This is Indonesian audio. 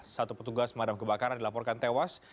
satu petugas pemadam kebakaran dilaporkan tewas